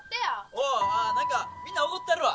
おう何かみんなおごったるわ。